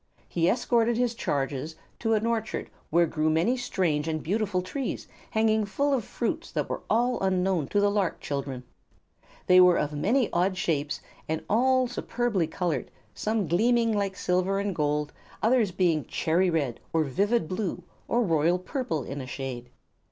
He escorted his charges to an orchard where grew many strange and beautiful trees hanging full of fruits that were all unknown to the lark children. They were of many odd shapes and all superbly colored, some gleaming like silver and gold and others being cherry red or vivid blue or royal purple in shade.